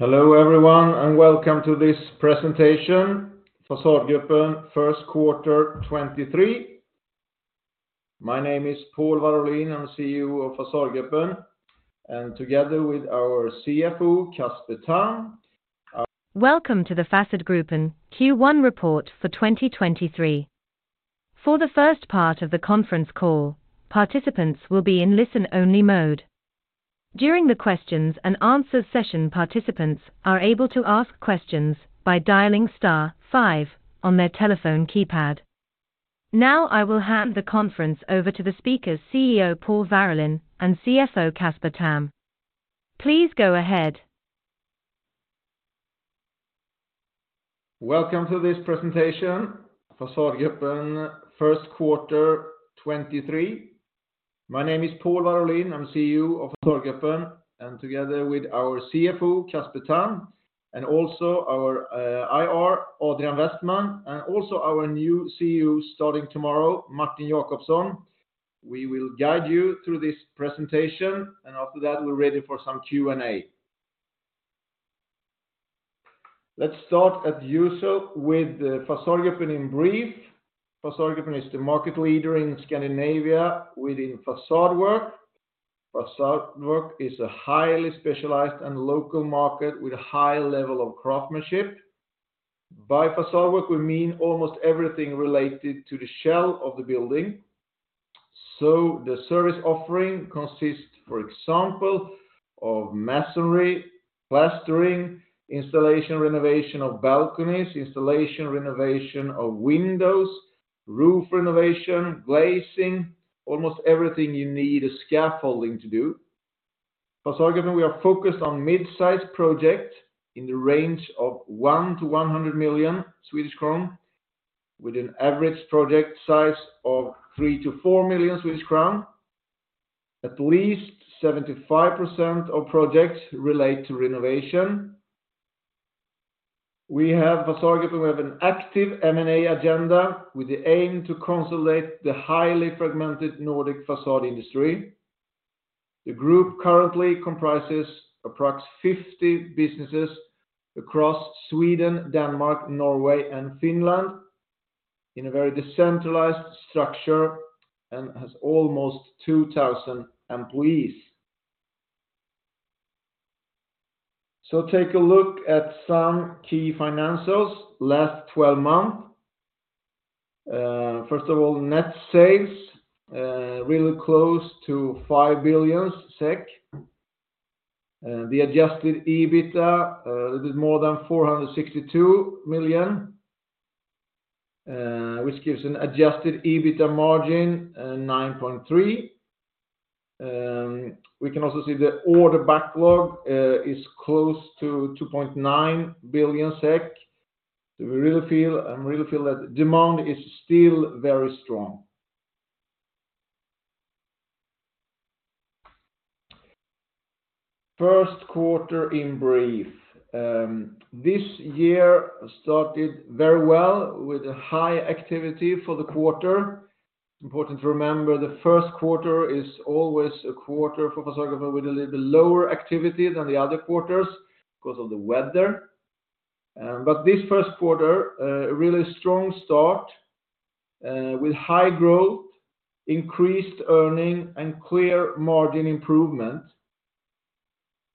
Hello everyone and welcome to this presentation, Fasadgruppen first quarter 2023. My name is Pål Warolin. I'm CEO of Fasadgruppen. Together with our CFO, Casper Tamm. Welcome to the Fasadgruppen Q1 report for 2023. For the first part of the conference call, participants will be in listen-only mode. During the questions and answers session, participants are able to ask questions by dialing star five on their telephone keypad. I will hand the conference over to the speakers, CEO Pål Warolin and CFO Casper Tamm. Please go ahead. Welcome to this presentation, Fasadgruppen 1st quarter 2023. My name is Pål Warolin. I'm CEO of Fasadgruppen, and together with our CFO, Casper Tamm, and also our IR, Adrian Westman, and also our new CEO, starting tomorrow, Martin Jacobsson. We will guide you through this presentation, and after that, we're ready for some Q&A. Let's start as usual with Fasadgruppen in brief. Fasadgruppen is the market leader in Scandinavia within façade work. Façade work is a highly specialized and local market with a high level of craftsmanship. By façade work, we mean almost everything related to the shell of the building. The service offering consists, for example, of masonry, plastering, installation, renovation of balconies, installation, renovation of windows, roof renovation, glazing, almost everything you need a scaffolding to do. Fasadgruppen, we are focused on mid-size project in the range of 1 million-100 million Swedish crown SEK, with an average project size of 3 million-4 million Swedish crown SEK. At least 75% of projects relate to renovation. Fasadgruppen, we have an active M&A agenda with the aim to consolidate the highly fragmented Nordic façade industry. The group currently comprises approx 50 businesses across Sweden, Denmark, Norway, and Finland in a very decentralized structure, and has almost 2,000 employees. Take a look at some key financials, last 12 months. First of all, net sales, really close to 5 billion SEK. The Adjusted EBITDA, a little more than 462 million, which gives an Adjusted EBITDA margin, 9.3%. We can also see the order backlog is close to 2.9 billion SEK. I really feel that demand is still very strong. First quarter in brief. This year started very well with a high activity for the quarter. Important to remember, the first quarter is always a quarter for Fasadgruppen Group with a little bit lower activity than the other quarters because of the weather. This first quarter, a really strong start with high growth, increased earning, and clear margin improvement.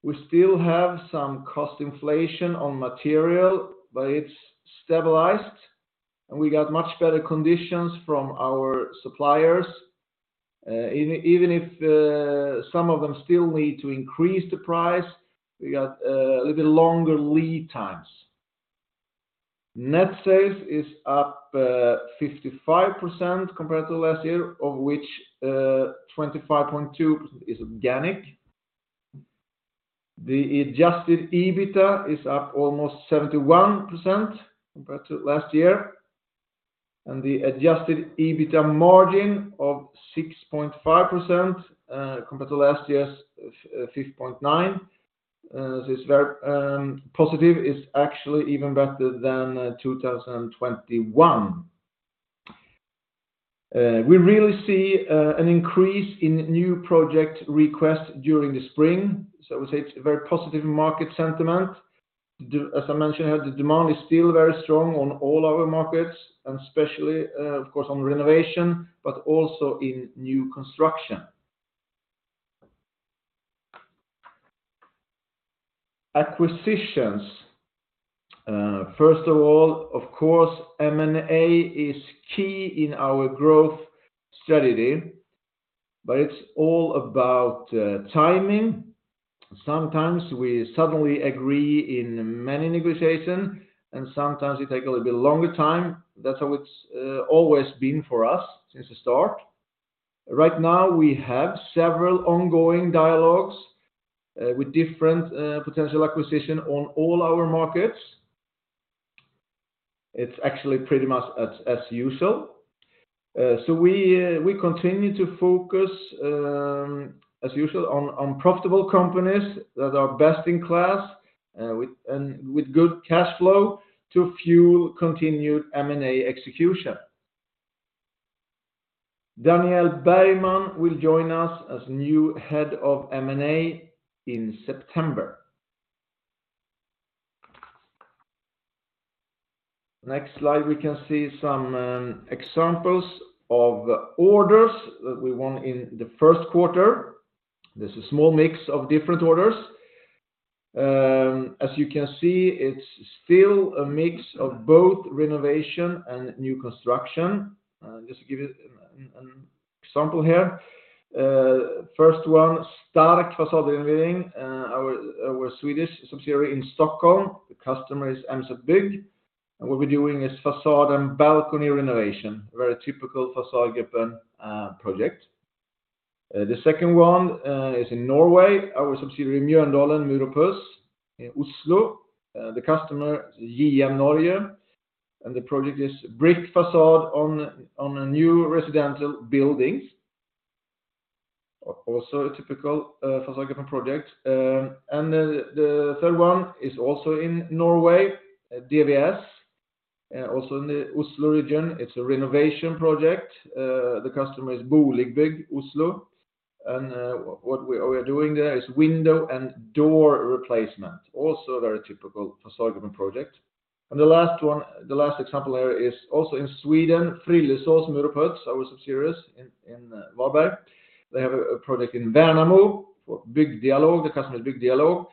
We still have some cost inflation on material, but it's stabilized, and we got much better conditions from our suppliers. Even if some of them still need to increase the price, we got a little bit longer lead times. Net sales is up 55% compared to last year, of which 25.2 is organic. The Adjusted EBITDA is up almost 71% compared to last year, and the Adjusted EBITDA margin of 6.5% compared to last year's 6.9%. This is very positive. It's actually even better than 2021. We really see an increase in new project requests during the spring. I would say it's a very positive market sentiment. As I mentioned, the demand is still very strong on all our markets, and especially, of course, on renovation, but also in new construction. Acquisitions. First of all, of course, M&A is key in our growth strategy, but it's all about timing. Sometimes we suddenly agree in many negotiations, and sometimes it takes a little bit longer time. That's how it's always been for us since the start. Right now, we have several ongoing dialogues with different potential acquisitions on all our markets. It's actually pretty much as usual. We continue to focus as usual on profitable companies that are best in class and with good cash flow to fuel continued M&A execution. Daniel Bergman will join us as new head of M&A in September. Next slide, we can see some examples of orders that we won in the first quarter. There's a small mix of different orders. As you can see, it's still a mix of both renovation and new construction. Just to give you an example here. First one, STARK Fasadrenovering, our Swedish subsidiary in Stockholm. The customer is MZ Bygg, and what we're doing is facade and balcony renovation, a very typical Fasadgruppen project. The second one is in Norway, our subsidiary, Mjøndalen Mur & Puss in Oslo. The customer, JM Norge, and the project is brick facade on a new residential building. Also a typical Fasadgruppen project. The third one is also in Norway, at DVS, also in the Oslo region. It's a renovation project. The customer is Boligbygg Oslo, what we are doing there is window and door replacement. Also very typical Fasadgruppen project. The last one, the last example here is also in Sweden, Frillesås Mur & Puts, our subsidiaries in Varberg. They have a project in Värnamo for ByggDialog. The customer is ByggDialog,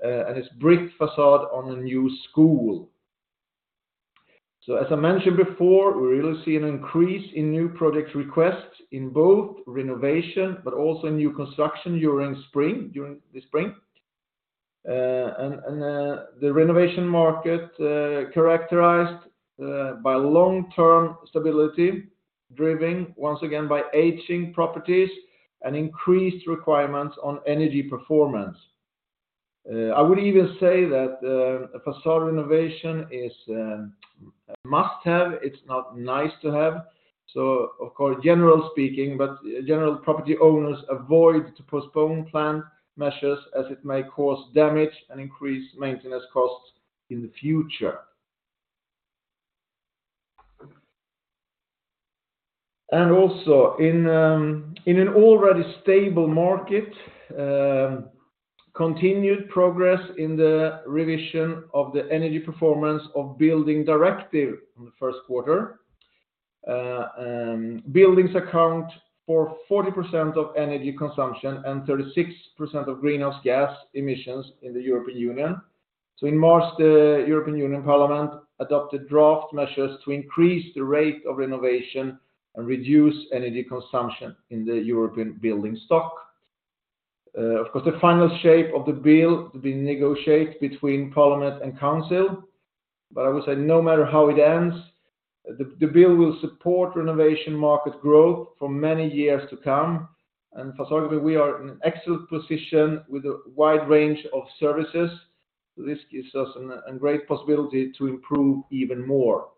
and it's brick facade on a new school. As I mentioned before, we really see an increase in new product requests in both renovation but also new construction during the spring. The renovation market characterized by long-term stability, driven once again by aging properties and increased requirements on energy performance. I would even say that a facade renovation is a must-have. It's not nice to have. Of course, general speaking, but general property owners avoid to postpone planned measures as it may cause damage and increase maintenance costs in the future. Also in an already stable market, continued progress in the revision of the Energy Performance of Buildings Directive in the first quarter. Buildings account for 40% of energy consumption and 36% of greenhouse gas emissions in the European Union. In March, the European Union Parliament adopted draft measures to increase the rate of renovation and reduce energy consumption in the European building stock. Of course, the final shape of the bill to be negotiated between Parliament and Council, but I would say no matter how it ends, the bill will support renovation market growth for many years to come. Fasadgruppen, we are in an excellent position with a wide range of services. This gives us an great possibility to improve even more.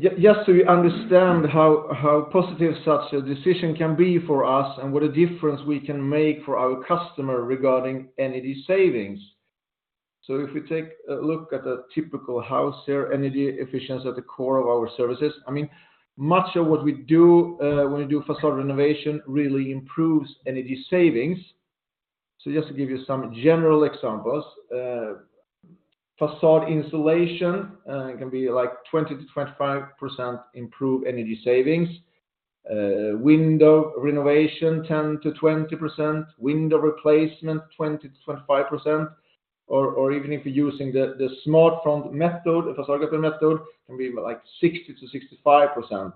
Just so you understand how positive such a decision can be for us and what a difference we can make for our customer regarding energy savings. If we take a look at a typical house here, energy efficiency at the core of our services, I mean, much of what we do, when we do façade renovation really improves energy savings. Just to give you some general examples. Façade insulation can be like 20%-25% improved energy savings. Window renovation, 10%-20%. Window replacement, 20%-25%. Even if you're using the SmartFront method, the Fasadgruppen method, can be like 60%-65%.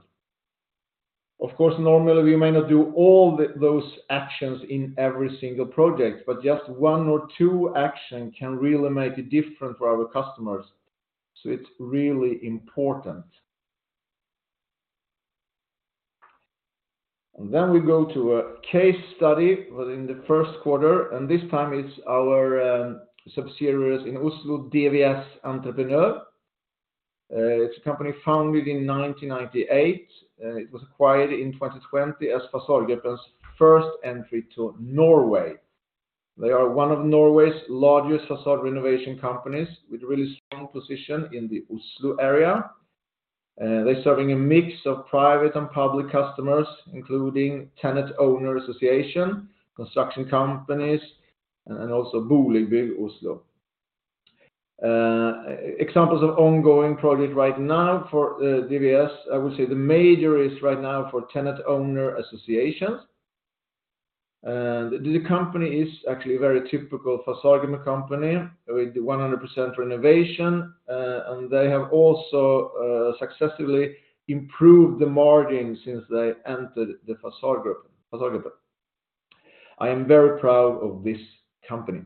Of course, normally we may not do all those actions in every single project, but just one or two action can really make a difference for our customers, so it's really important. Then we go to a case study within the first quarter, and this time it's our subsidiaries in Oslo, DVS Entreprenør. It's a company founded in 1998, it was acquired in 2020 as Fasadgruppen's first entry to Norway. They are one of Norway's largest façade renovation companies with a really strong position in the Oslo area. They're serving a mix of private and public customers, including tenant owner association, construction companies, and also Boligbygg Oslo. Examples of ongoing project right now for DVS, I would say the major is right now for tenant owner associations. The company is actually a very typical Fasadgruppen company with 100% renovation, and they have also successfully improved the margin since they entered the Fasadgruppen. I am very proud of this company.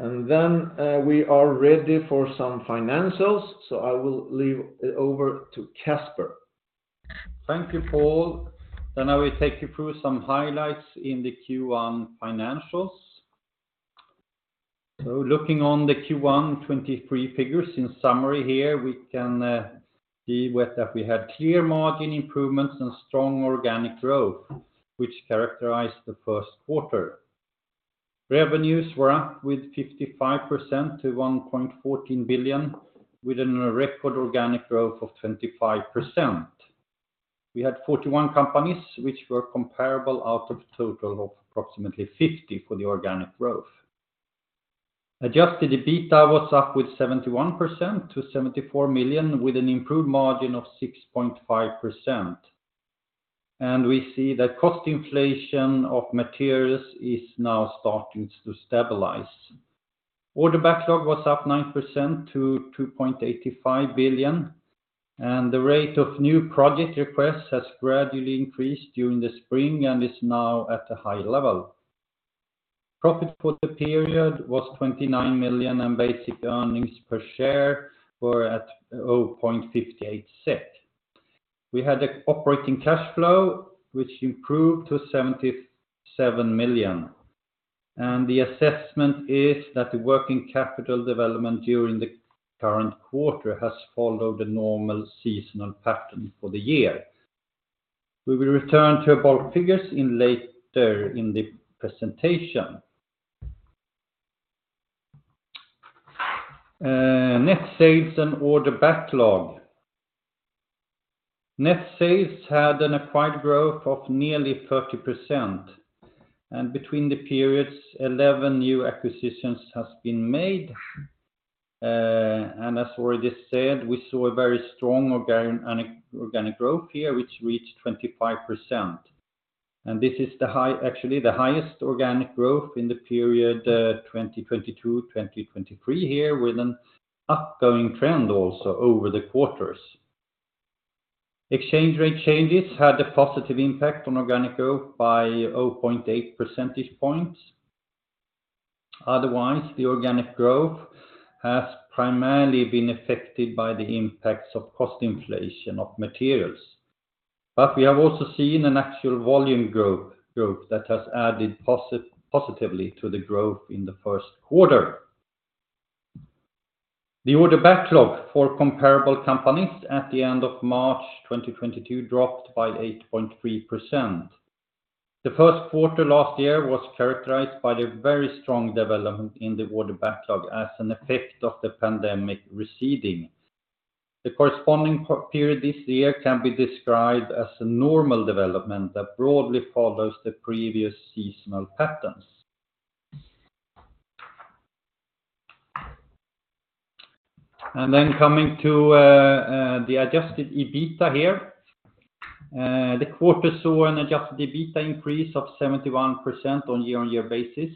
We are ready for some financials, so I will leave it over to Casper. Thank you, Paul. I will take you through some highlights in the Q1 financials. Looking on the Q1 2023 figures, in summary here, we can See that we had clear margin improvements and strong organic growth, which characterized the first quarter. Revenues were up with 55% to 1.14 billion, with a record organic growth of 25%. We had 41 companies which were comparable out of a total of approximately 50 for the organic growth. Adjusted EBITDA was up with 71% to 74 million, with an improved margin of 6.5%. We see that cost inflation of materials is now starting to stabilize. Order backlog was up 9% to 2.85 billion, and the rate of new project requests has gradually increased during the spring and is now at a high level. Profit for the period was 29 million. Basic earnings per share were at 0.58. We had the operating cash flow, which improved to 77 million. The assessment is that the working capital development during the current quarter has followed a normal seasonal pattern for the year. We will return to our bulk figures later in the presentation. Net sales and order backlog. Net sales had an acquired growth of nearly 30%. Between the periods, 11 new acquisitions has been made. As already said, we saw a very strong organic growth here, which reached 25%. This is actually the highest organic growth in the period, 2022, 2023 here, with an upgoing trend also over the quarters. Exchange rate changes had a positive impact on organic growth by 0.8 percentage points. Otherwise, the organic growth has primarily been affected by the impacts of cost inflation of materials. We have also seen an actual volume growth that has added positively to the growth in the first quarter. The order backlog for comparable companies at the end of March 2022 dropped by 8.3%. The first quarter last year was characterized by the very strong development in the order backlog as an effect of the pandemic receding. The corresponding period this year can be described as a normal development that broadly follows the previous seasonal patterns. Coming to the Adjusted EBITDA here. The quarter saw an Adjusted EBITDA increase of 71% on a year-on-year basis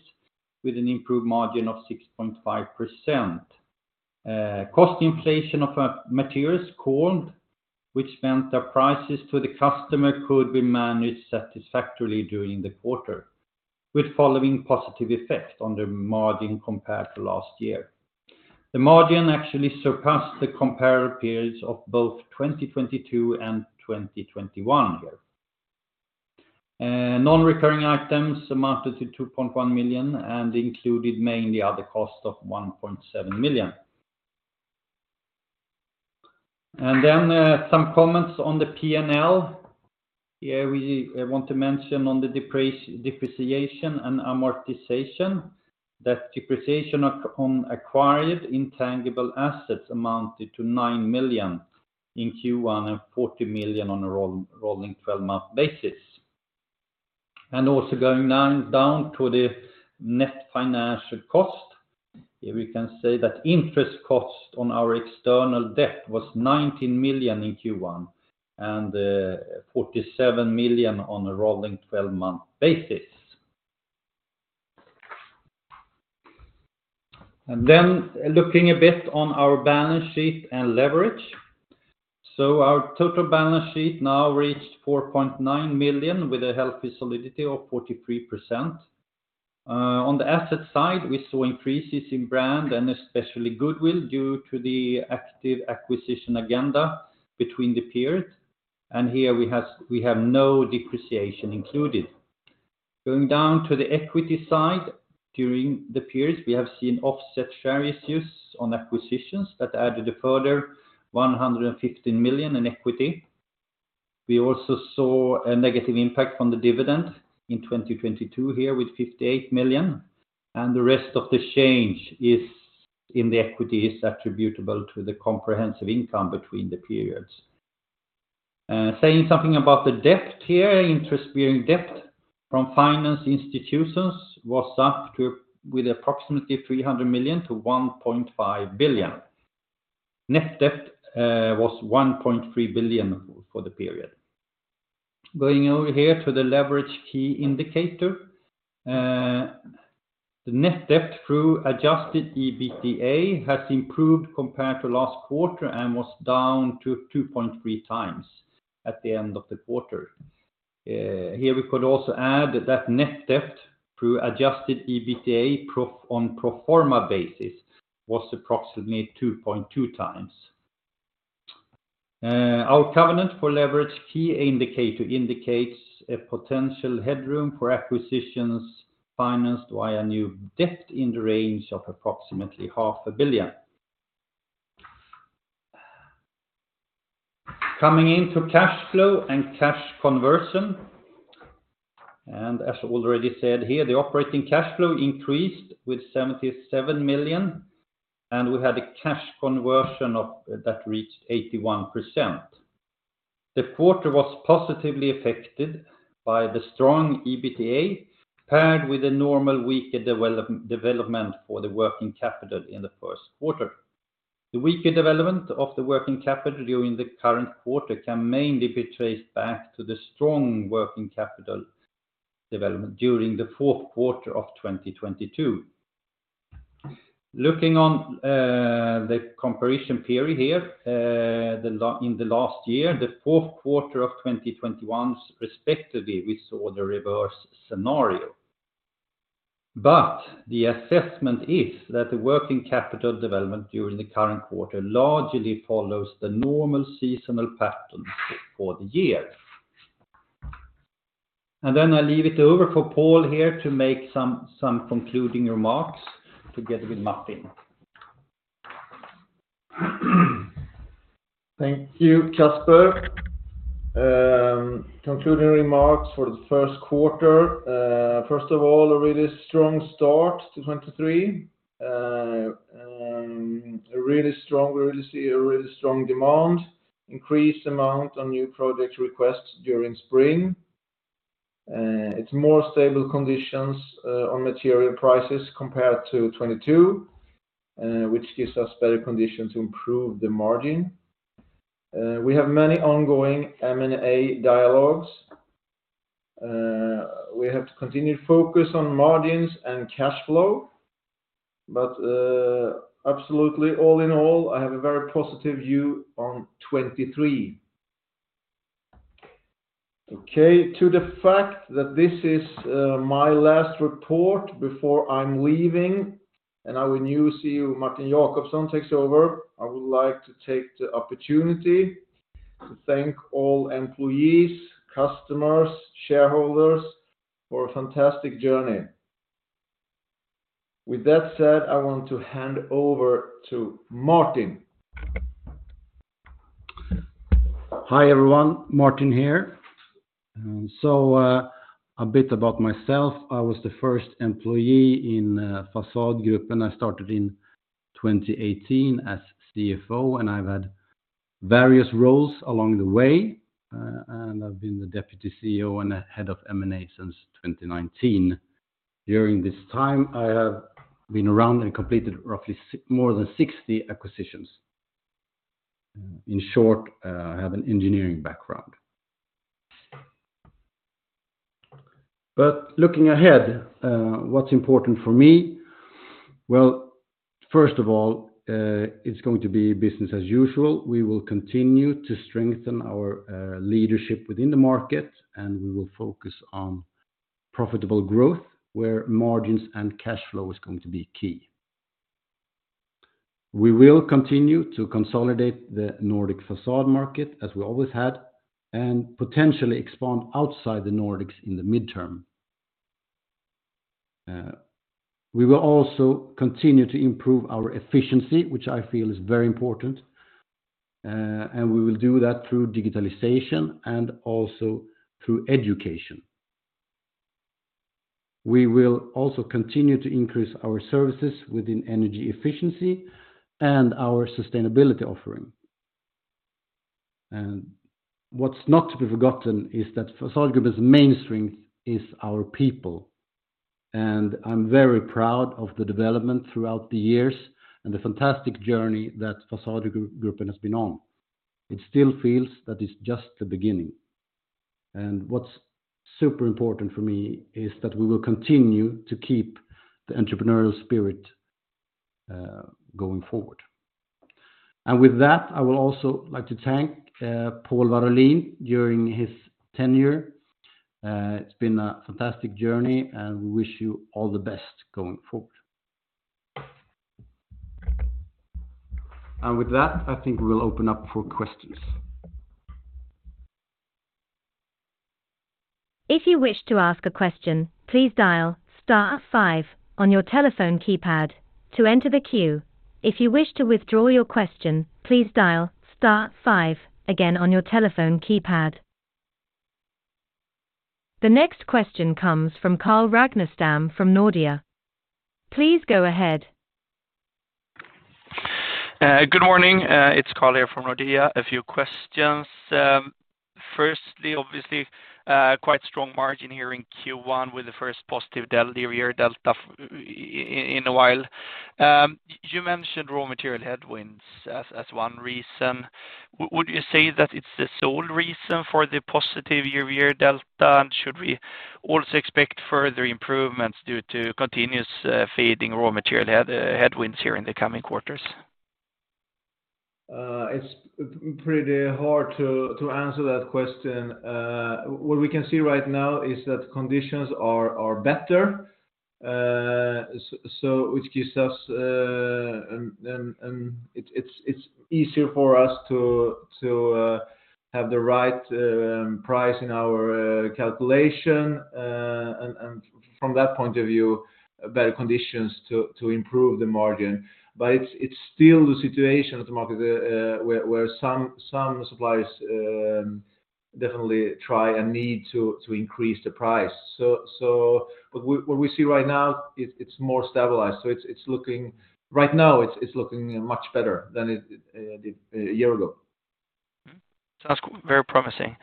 with an improved margin of 6.5%. Cost inflation of materials calmed, which meant that prices to the customer could be managed satisfactorily during the quarter, with following positive effect on the margin compared to last year. The margin actually surpassed the comparable periods of both 2022 and 2021 here. Non-recurring items amounted to 2.1 million and included mainly other costs of 1.7 million. Some comments on the P&L. Here we want to mention on the depreciation and amortization that depreciation of on acquired intangible assets amounted to 9 million in Q1 and 40 million on a rolling twelve-month basis. Going down to the net financial cost, here we can say that interest cost on our external debt was 19 million in Q1 and 47 million on a rolling twelve-month basis. Looking a bit on our balance sheet and leverage. Our total balance sheet now reached 4.9 million with a healthy solidity of 43%. On the asset side, we saw increases in brand and especially goodwill due to the active acquisition agenda between the period. Here we have no depreciation included. Going down to the equity side, during the period, we have seen offset share issues on acquisitions that added a further 115 million in equity. We also saw a negative impact from the dividend in 2022 here with 58 million, and the rest of the change is in the equity is attributable to the comprehensive income between the periods. Saying something about the debt here, interest-bearing debt from finance institutions was up to with approximately 300 million to 1.5 billion. Net debt was 1.3 billion for the period. Going over here to the leverage key indicator, the net debt to Adjusted EBITDA has improved compared to last quarter and was down to 2.3 times at the end of the quarter. Here we could also add that net debt to Adjusted EBITDA pro forma basis was approximately 2.2 times. Our covenant for leverage key indicator indicates a potential headroom for acquisitions. Financed by a new debt in the range of approximately half a billion SEK. Coming into cash flow and cash conversion, as already said here, the operating cash flow increased with 77 million, and we had a cash conversion that reached 81%. The quarter was positively affected by the strong EBITDA, paired with a normal weaker development for the working capital in the first quarter. The weaker development of the working capital during the current quarter can mainly be traced back to the strong working capital development during the fourth quarter of 2022. Looking on the comparison period here, in the last year, the fourth quarter of 2021 respectively, we saw the reverse scenario. The assessment is that the working capital development during the current quarter largely follows the normal seasonal pattern for the year. I leave it over for Pål here to make some concluding remarks together with Martin. Thank you, Casper. Concluding remarks for the first quarter. First of all, a really strong start to 2023. We already see a really strong demand, increased amount on new project requests during spring. It's more stable conditions on material prices compared to 2022, which gives us better condition to improve the margin. We have many ongoing M&A dialogues. We have to continue focus on margins and cash flow. Absolutely all in all, I have a very positive view on 2023. Okay, to the fact that this is my last report before I'm leaving, and our new CEO, Martin Jacobsson, takes over, I would like to take the opportunity to thank all employees, customers, shareholders for a fantastic journey. With that said, I want to hand over to Martin Jacobsson. Hi, everyone. Martin here. A bit about myself. I was the first employee in Fasadgruppen. I started in 2018 as CFO, and I've had various roles along the way, and I've been the Deputy CEO and a Head of M&A since 2019. During this time, I have been around and completed roughly more than 60 acquisitions. In short, I have an engineering background. Looking ahead, what's important for me, well, first of all, it's going to be business as usual. We will continue to strengthen our leadership within the market, and we will focus on profitable growth where margins and cash flow is going to be key. We will continue to consolidate the Nordic facade market as we always had, and potentially expand outside the Nordics in the midterm. We will also continue to improve our efficiency, which I feel is very important, and we will do that through digitalization and also through education. We will also continue to increase our services within energy efficiency and our sustainability offering. What's not to be forgotten is that Fasadgruppen's main strength is our people, and I'm very proud of the development throughout the years and the fantastic journey that Fasadgruppen has been on. It still feels that it's just the beginning. What's super important for me is that we will continue to keep the entrepreneurial spirit going forward. With that, I would also like to thank Pål Warolin during his tenure. It's been a fantastic journey, and we wish you all the best going forward. With that, I think we'll open up for questions. If you wish to ask a question, please dial star five on your telephone keypad to enter the queue. If you wish to withdraw your question, please dial star five again on your telephone keypad. The next question comes from Carl Ragnerstam from Nordea. Please go ahead. Good morning. It's Carl here from Nordea. A few questions. Firstly, obviously, quite strong margin here in Q1 with the first positive year delta in a while. You mentioned raw material headwinds as one reason. Would you say that it's the sole reason for the positive year-year delta? Should we also expect further improvements due to continuous fading raw material headwinds here in the coming quarters? It's pretty hard to answer that question. What we can see right now is that conditions are better, so which gives us... It's easier for us to have the right price in our calculation. From that point of view, better conditions to improve the margin. It's still the situation at the market, where some suppliers definitely try and need to increase the price. What we see right now, it's more stabilized. It's looking. Right now it's looking much better than it did a year ago. Sounds very promising.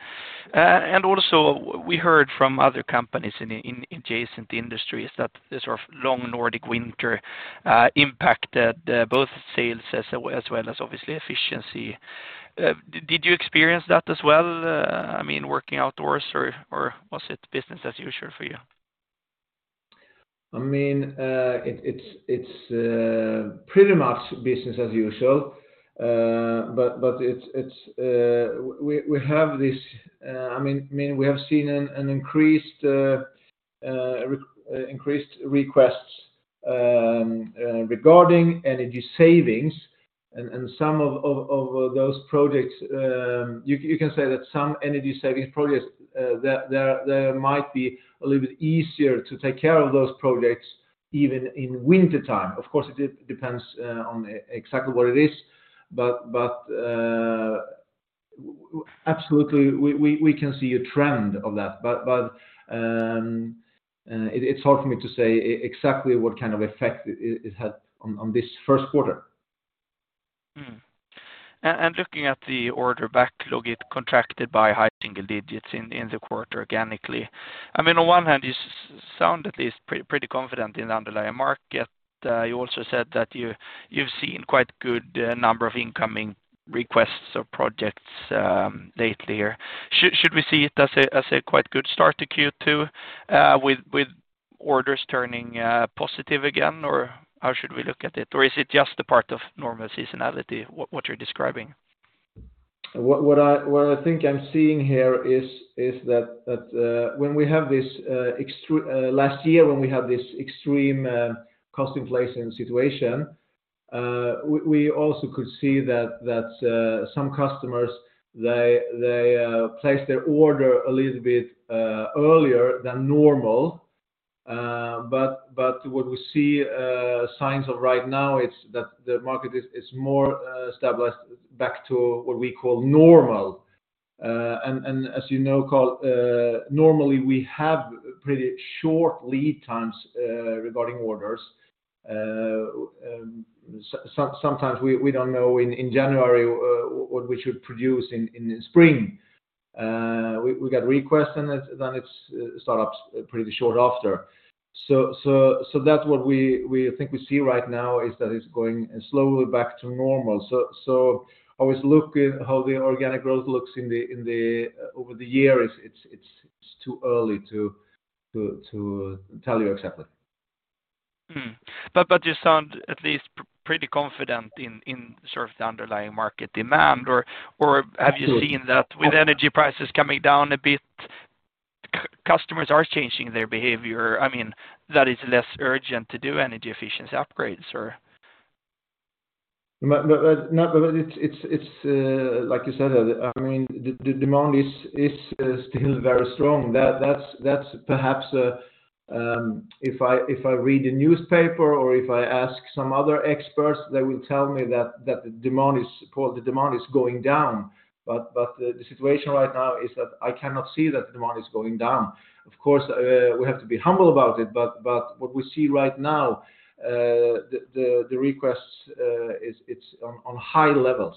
Also we heard from other companies in adjacent industries that the sort of long Nordic winter impacted both sales as well as obviously efficiency. Did you experience that as well, I mean, working outdoors or was it business as usual for you? I mean, it's pretty much business as usual. But we have this I mean, we have seen an increased requests regarding energy savings and some of those projects, you can say that some energy savings projects, there might be a little bit easier to take care of those projects even in wintertime. Of course, it depends on exactly what it is. Absolutely, we can see a trend of that. It's hard for me to say exactly what kind of effect it had on this first quarter. Looking at the order backlog, it contracted by high single digits in the quarter organically. I mean, on one hand, you sound at least pretty confident in the underlying market. You also said that you've seen quite good number of incoming requests or projects lately here. Should we see it as a quite good start to Q2 with orders turning positive again? Or how should we look at it? Or is it just a part of normal seasonality, what you're describing? What I think I'm seeing here is that when we have this last year, when we had this extreme cost inflation situation, we also could see that some customers, they place their order a little bit earlier than normal. What we see signs of right now, it's that the market is more established back to what we call normal. As you know, Carl, normally we have pretty short lead times regarding orders. Sometimes we don't know in January what we should produce in spring. We got requests and then it starts pretty short after. That's what we think we see right now is that it's going slowly back to normal. Always look at how the organic growth looks in the over the year. It's too early to tell you exactly. You sound at least pretty confident in sort of the underlying market demand. Have you seen that with energy prices coming down a bit, customers are changing their behavior? I mean, that it's less urgent to do energy efficiency upgrades? No, but it's, like you said, I mean, the demand is still very strong. That's perhaps, if I read a newspaper or if I ask some other experts, they will tell me that the demand is going down. The situation right now is that I cannot see that the demand is going down. Of course, we have to be humble about it, but what we see right now, the requests, it's on high levels.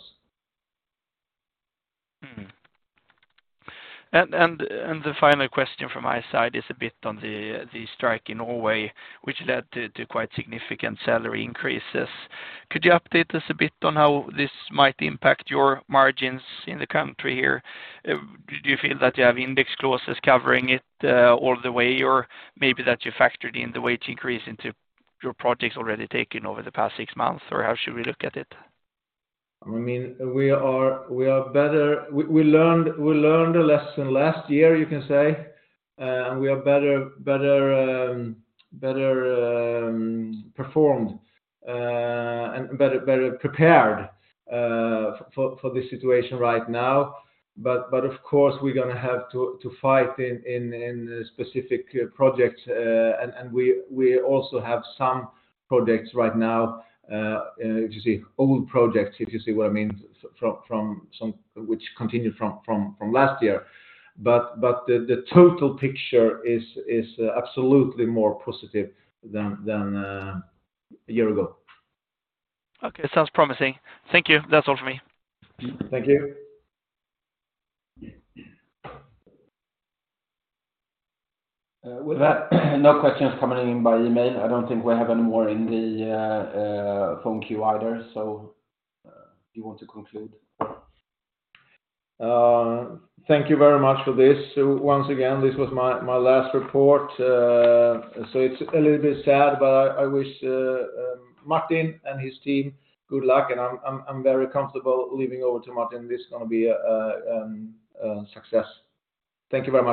The final question from my side is a bit on the strike in Norway, which led to quite significant salary increases. Could you update us a bit on how this might impact your margins in the country here? Do you feel that you have index clauses covering it all the way or maybe that you factored in the wage increase into your projects already taken over the past six months? How should we look at it? I mean, we are better. We learned a lesson last year, you can say, and we are better performed, and better prepared for this situation right now. Of course, we're gonna have to fight in specific projects. And we also have some projects right now, if you see old projects, if you see what I mean, from some which continued from last year. The total picture is absolutely more positive than a year ago. Okay. Sounds promising. Thank you. That's all for me. Thank you. With that, no questions coming in by email. I don't think we have any more in the phone queue either. Do you want to conclude? Thank you very much for this. Once again, this was my last report. So it's a little bit sad, but I wish Martin and his team good luck, and I'm very comfortable leaving over to Martin. This is gonna be a success. Thank you very much.